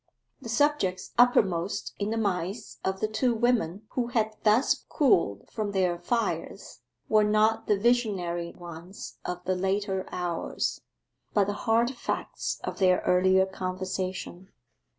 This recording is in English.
The subjects uppermost in the minds of the two women who had thus cooled from their fires, were not the visionary ones of the later hours, but the hard facts of their earlier conversation.